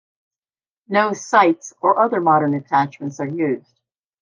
No sights or other modern attachments are used.